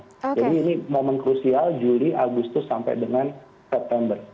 jadi ini momen krusial juli agustus sampai dengan september